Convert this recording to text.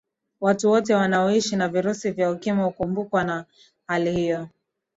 watu wote wanaoishi na virusi vya ukimwi hukumbwa na hali hiyo